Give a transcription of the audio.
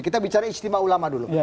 kita bicara istimewa ulama dulu